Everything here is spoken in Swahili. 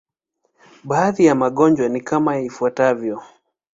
Baadhi ya magonjwa ni kama ifuatavyo.